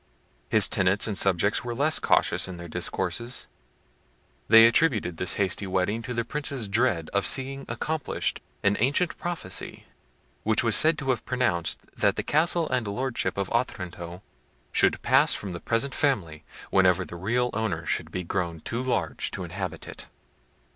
His tenants and subjects were less cautious in their discourses. They attributed this hasty wedding to the Prince's dread of seeing accomplished an ancient prophecy, which was said to have pronounced that the castle and lordship of Otranto "should pass from the present family, whenever the real owner should be grown too large to inhabit it."